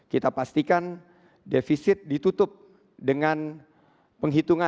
kita pastikan defisit ditutup dengan penghitungan